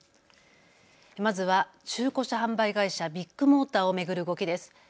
まずは中古車販売会社、ビッグモーターを巡る動きです。